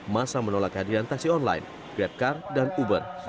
masa menolak hadiran taksi online grabcar dan uber